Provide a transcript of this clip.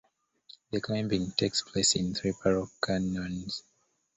The climbing takes place in three parallel canyons.